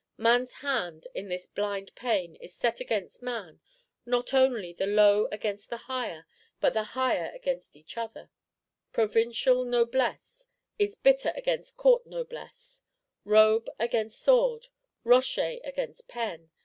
Man's hand, in this blind pain, is set against man: not only the low against the higher, but the higher against each other; Provincial Noblesse is bitter against Court Noblesse; Robe against Sword; Rochet against Pen.